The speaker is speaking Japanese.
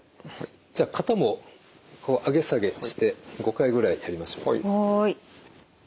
じゃあ肩もこう上げ下げして５回ぐらいやりましょう。